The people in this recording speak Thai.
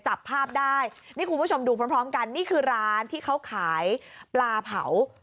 จับภาพได้นี่คุณผู้ชมดูพร้อมกันนี่คือร้านที่เขาขายปลาเผา